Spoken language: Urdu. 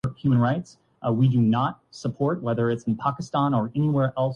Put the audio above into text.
مسجد کو تقسیم کا نہیں، وحدت کا مرکز ہو نا چاہیے۔